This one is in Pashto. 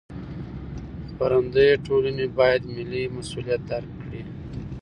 خپرندویه ټولنې باید ملي مسوولیت درک کړي.